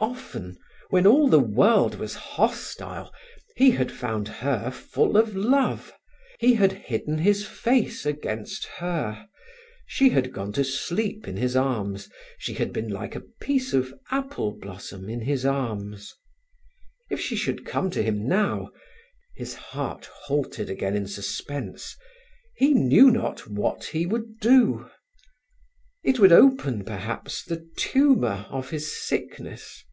Often, when all the world was hostile, he had found her full of love, he had hidden his face against her, she had gone to sleep in his arms, she had been like a piece of apple blossom in his arms. If she should come to him now—his heart halted again in suspense—he knew not what he would do. It would open, perhaps, the tumour of his sickness.